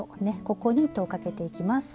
ここに糸をかけていきます。